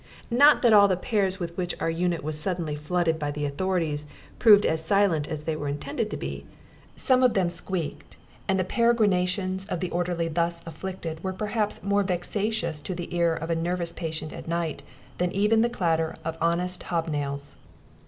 Not that all the pairs with which our unit was suddenly flooded by the authorities proved as silent as they were intended to be. Some of them squeaked; and the peregrinations of the orderly thus afflicted were perhaps more vexatious to the ear of a nervous patient at night than even the clatter of honest hobnails.